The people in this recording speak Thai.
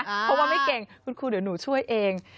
เพราะว่าไม่เก่งคุณครูเดี๋ยวหนูช่วยเอง